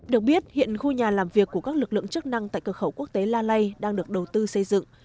được biết hiện khu nhà làm việc của các lực lượng chức năng tại cửa khẩu quốc tế la lai đang được đầu tư xây dựng